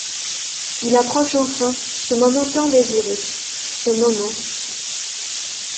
Il approche enfin, ce moment tant désiré… ce moment…